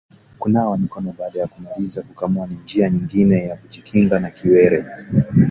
Kunawa mikono baada ya kumaliza kukamua ni njia nyingine ya kujikinga na kiwele